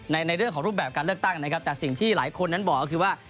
ในในเรื่องของรูปแบบการเลือกตั้งนะครับแต่สิ่งที่หลายคนนั้นบอกก็คือว่า